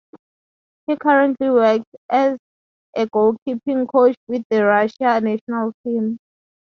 He currently works as a goalkeeping coach with the Russia national team.